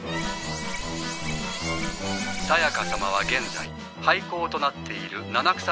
さやか様は現在廃校となっている七草